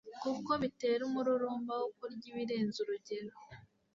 kuko bitera umururumba wo kurya ibirenze urugero